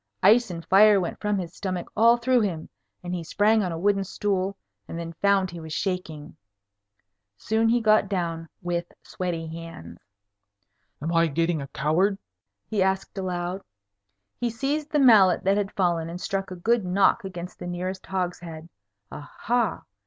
Ice and fire went from his stomach all through him, and he sprang on a wooden stool, and then found he was shaking. Soon he got down, with sweaty hands. "Am I getting a coward?" he asked aloud. He seized the mallet that had fallen, and struck a good knock against the nearest hogshead. Ah ha!